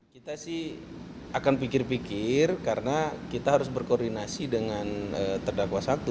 kita sih akan pikir pikir karena kita harus berkoordinasi dengan terdakwa satu